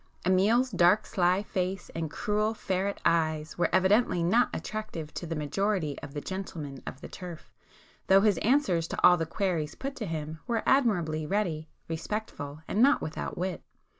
Amiel's dark sly face and cruel ferret eyes were evidently not attractive to the majority of the gentlemen of the turf, though his answers to all the queries put to him, were admirably ready, respectful and not without wit.